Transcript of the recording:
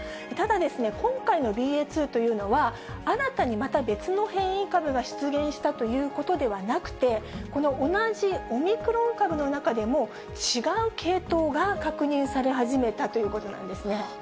ただですね、今回のＢＡ．２というのは新たにまた別の変異株が出現したということではなくて、この同じオミクロン株の中でも、違う系統が確認され始めたということなんですね。